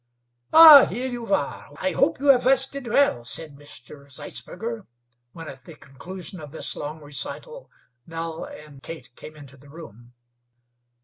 "Ah, here you are. I hope you have rested well," said Mr. Zeisberger, when at the conclusion of this long recital Nell and Kate came into the room.